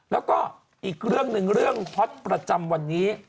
แล้วก็อีกเรื่องหนึ่งเรื่องฮอตประจำวันนี้